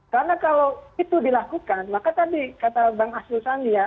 karena kalau itu dilakukan maka tadi kata bang asrul sandiaga